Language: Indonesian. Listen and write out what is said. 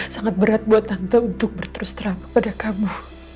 sangat berat buat tante untuk berterus terang kepada kamu